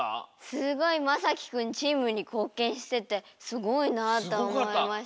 すごいまさきくんチームにこうけんしててすごいなとおもいました。